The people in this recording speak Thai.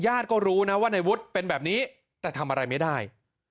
ก็รู้นะว่าในวุฒิเป็นแบบนี้แต่ทำอะไรไม่ได้